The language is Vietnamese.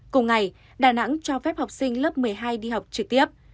cùng ngày đà nẵng cho phép học sinh lớp một mươi hai đi học trực tiếp